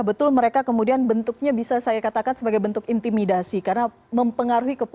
selamat sore mbak